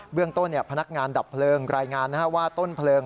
เรื่องต้นพนักงานดับเพลิงรายงานว่าต้นเพลิง